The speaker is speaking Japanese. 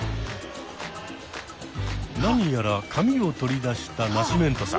何やら紙を取り出したナシメントさん。